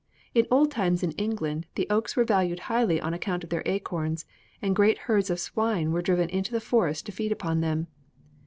In old times in England the oaks were valued highly on account of their acorns, and great herds of swine were driven into the forests to feed upon them.